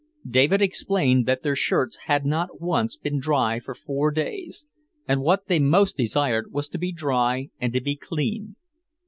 David explained that their shirts had not once been dry for four days; and what they most desired was to be dry and to be clean.